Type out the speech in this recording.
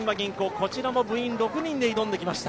こちらも部員６人で挑んできました。